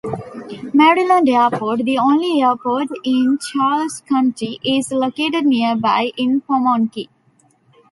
Maryland Airport, the only airport in Charles County, is located nearby in Pomonkey.